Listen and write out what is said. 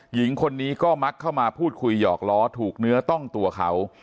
หญิงคนนี้ก็มักเข้ามาพูดคุยหยอกล้อถูกเนื้อต้องตัวเขา